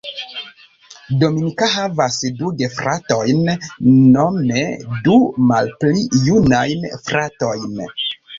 Dominika havas du gefratojn, nome du malpli junajn fratojn.